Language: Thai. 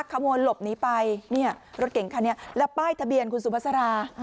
ขโมยหลบหนีไปเนี่ยรถเก่งคันนี้แล้วป้ายทะเบียนคุณสุภาษารา